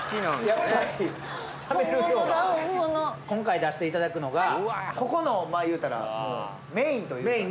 今回出していただくのがここのいうたらメインというか。